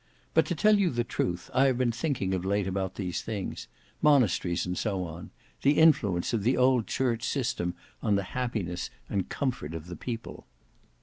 But to tell you the truth, I have been thinking of late about these things; monasteries and so on; the influence of the old church system on the happiness and comfort of the People."